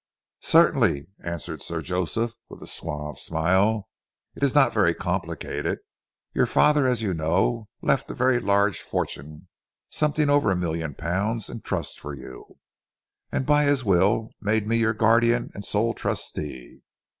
"Certainly," answered Sir Joseph with a suave smile. "It is not very complicated. Your father, as you know, left a very large fortune something over a million pounds in trust for you, and by his will made me your guardian and sole trustee.